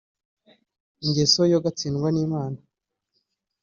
Ingeso yo gatsindwa n’Imana